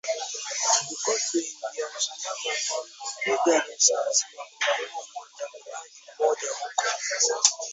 Vikosi vya usalama vilimpiga risasi na kumuuwa muandamanaji mmoja huko